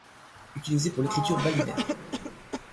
Utilisé pour l'écriture balinaise.